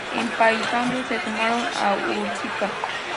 En Paysandú se sumaron a Urquiza.